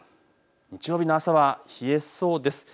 日曜日の朝は冷えそうです。